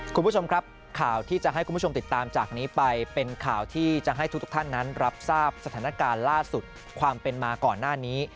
คุณผู้ชมครับข่าวที่จะให้คุณผู้ชมติดตามจากนี้ไปเป็นข่าวที่จะให้ทุกท่านนั้นรับทราบสถานการณ์ล่าสุดความเป็นมาก่อนหน้านี้